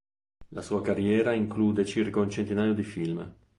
La sua carriera include circa un centinaio di film.